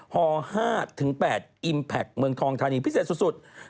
ฮ๕๘อิมแพคเมืองทองธานีพิเศษสุด